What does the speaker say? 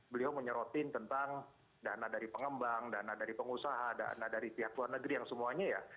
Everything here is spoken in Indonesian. beliau menyerotin tentang dana dari pengembang dana dari pengusaha dana dari pihak luar negeri yang semuanya ya